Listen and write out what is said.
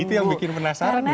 itu yang bikin penasaran nih